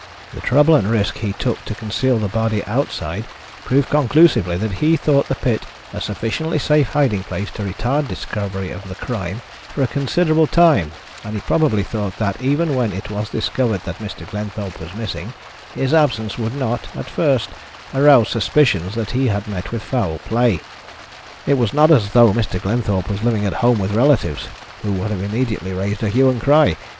The trouble and risk he took to conceal the body outside prove conclusively that he thought the pit a sufficiently safe hiding place to retard discovery of the crime for a considerable time, and he probably thought that even when it was discovered that Mr. Glenthorpe was missing his absence would not, at first, arouse suspicions that he had met with foul play. "It was not as though Mr. Glenthorpe was living at home with relatives who would have immediately raised a hue and cry.